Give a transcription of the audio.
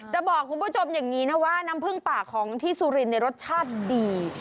จะบอกคุณผู้ชมอย่างนี้นะว่าน้ำผึ้งปากของที่สุรินรสชาติดี